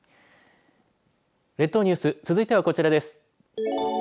列島ニュース続いてはこちらです。